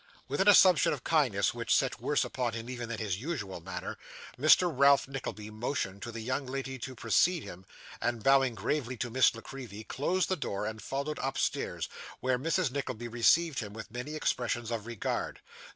With an assumption of kindness which sat worse upon him even than his usual manner, Mr. Ralph Nickleby motioned to the young lady to precede him, and bowing gravely to Miss La Creevy, closed the door and followed upstairs, where Mrs. Nickleby received him with many expressions of regard.